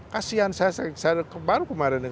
kasian saya baru kemarin